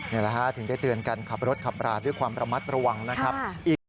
นี่แหละฮะถึงได้เตือนกันขับรถขับราด้วยความระมัดระวังนะครับ